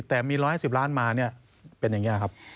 แต่มี๑๑๐ล้านมาเนี่ยเป็นอย่างนี้ครับ